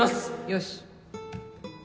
よし。